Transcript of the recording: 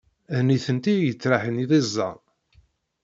D nitenti ay yettraḥen d iẓẓan.